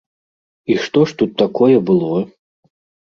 І што ж тут такое было?